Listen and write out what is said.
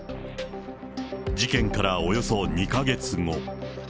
事件からおよそ２か月後。